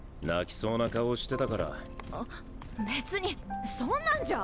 別にそんなんじゃ。